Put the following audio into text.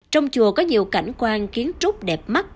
trong chùa có nhiều cảnh quan kiến trúc đẹp mắt